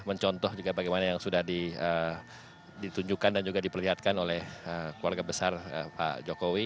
mencontoh juga bagaimana yang sudah ditunjukkan dan juga diperlihatkan oleh keluarga besar pak jokowi